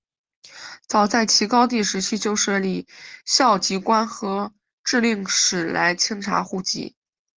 早在齐高帝时期就设立校籍官和置令史来清查户籍。